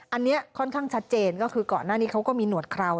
อันนี้ค่อนข้างชัดเจนก็คือก่อนหน้านี้เขาก็มีหนวดเคราว